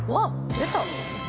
出た！